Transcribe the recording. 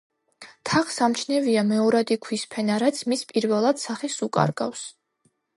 თაღს ამჩნევია მეორადი ქვის ფენა, რაც მის პირველად სახეს უკარგავს.